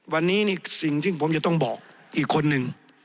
วันนี้นี่สิ่งที่ผมจะต้องบอกอีกคนนึง